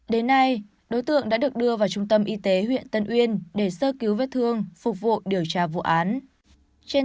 đến nay đối tượng đã được đưa vào trung tâm y tế huyện tân uyên để sơ cứu vết thương phục vụ điều tra vụ án